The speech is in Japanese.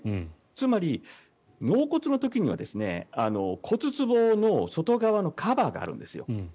つまり、納骨の時には骨つぼの外側のカバーがあるんです。